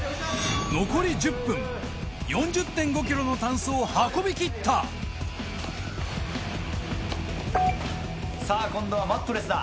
残り１０分４０．５ｋｇのタンスを運びきったさぁ今度はマットレスだ。